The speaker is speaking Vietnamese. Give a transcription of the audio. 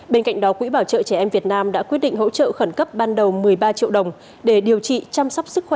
bên cạnh đó quỹ bảo trợ trẻ em việt nam đã quyết định hỗ trợ khẩn cấp ban đầu một mươi ba triệu đồng để điều trị chăm sóc sức khỏe